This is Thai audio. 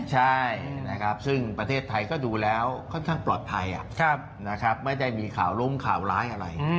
ใช่นะครับซึ่งประเทศไทยก็ดูแล้วค่อนข้างปลอดภัยนะครับไม่ได้มีข่าวล้งข่าวร้ายอะไร